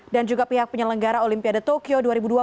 dan juga pihak penyelenggara olimpiade tokyo dua ribu dua puluh